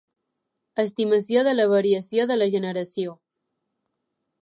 Estimació de la variació de la generació.